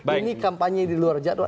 ini kampanye di luar jadwal